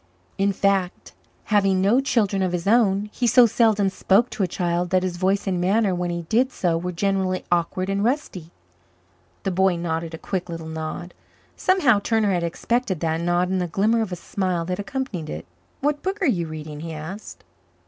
In fact, having no children of his own, he so seldom spoke to a child that his voice and manner when he did so were generally awkward and rusty. The boy nodded a quick little nod. Somehow, Turner had expected that nod and the glimmer of a smile that accompanied it. "What book are you reading?" he asked.